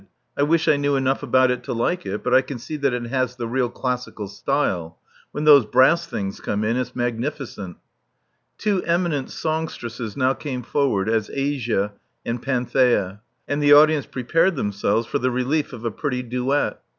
I wish I knew enough about it to like it; but I can see that it has the real classical style. When those brass things come in, it*s magnificent.*' Two eminent songstresses now came forward as Asia and Panthea; and the audience prepared themselves for the relief of a pretty duet.